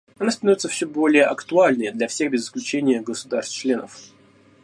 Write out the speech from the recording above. Она становится все более актуальной для всех без исключения государств-членов.